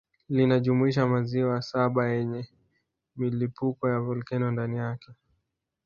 Linajumuisha maziwa saba yenye milipuko ya volkeno ndani yake